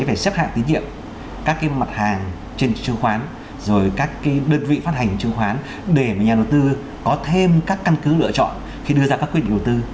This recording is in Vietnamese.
để xếp hạng tín nhiệm các cái mặt hàng trên chương khoán rồi các cái đơn vị phát hành chương khoán để mà nhà đầu tư có thêm các căn cứ lựa chọn khi đưa ra các quy định đầu tư